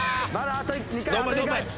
あと２回。